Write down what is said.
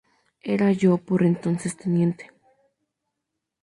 Era ya por entonces teniente.